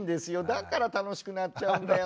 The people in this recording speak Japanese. だから楽しくなっちゃうんだよなって。